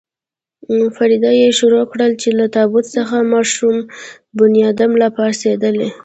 فریاد يې شروع کړ چې له تابوت څخه مړ شوی بنیادم را پاڅېدلی.